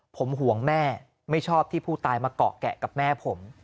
ผมห่วงแม่ไม่ชอบที่ผู้ตายมาเกาะแกะกับแม่ผม